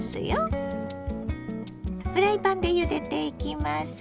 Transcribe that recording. フライパンでゆでていきます。